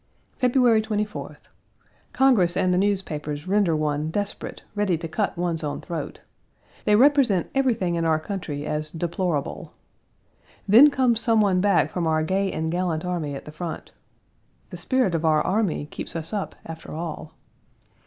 Page 134 February 24th. Congress and the newspapers render one desperate, ready to cut one's own throat. They represent everything in our country as deplorable. Then comes some one back from our gay and gallant army at the front. The spirit of our army keeps us up after all.